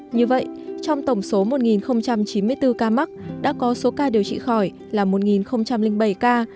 như vậy trong tổng số một chín mươi bốn ca mắc đã có số ca điều trị khỏi là một bảy ca